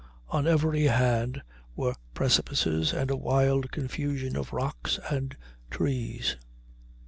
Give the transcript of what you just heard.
On every hand were precipices and a wild confusion of rocks and trees.